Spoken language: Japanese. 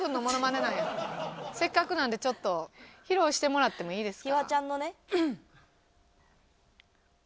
せっかくなんでちょっと披露してもらってもいいですか？